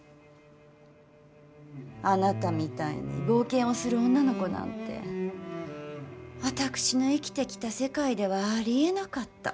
あなたみたいに冒険をする女の子なんて私が生きてきた世界ではありえなかった。